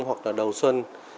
hoặc là đầu xuân